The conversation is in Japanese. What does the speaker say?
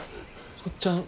おっちゃん